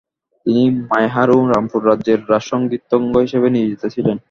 তিনি মাইহার ও রামপুর রাজ্যের রাজসঙ্গীতজ্ঞ হিসেবে নিয়োজিত ছিলেন।